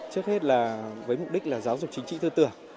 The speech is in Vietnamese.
trước hết là với mục đích là giáo dục chính trị tư tưởng